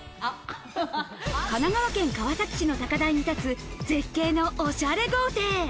神奈川県川崎市の高台に立つ絶景おしゃれ豪邸。